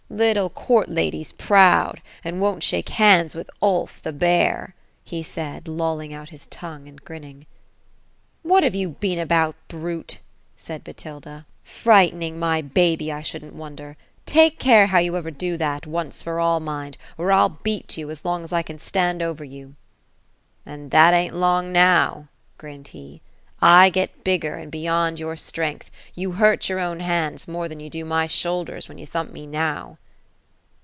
"^ Little court lady's proud ; and won't shake hands with tJIf, the bear ;" he said, lolling out his tongue, and grinning. '* What have you been about, brute ?" said Botilda. Frightening 198 OPHELIA ; my baby. I shouldn't wonder. Take care bow you ever do thai, once for all, mind ; or I'll beat you, as long as I can stand over you.*' " And that an't long, now ;" grinned he. '• 1 get bigger, and beyond your strength ; you hurt your own hands, more than you do my shoul ders, when you thump me now."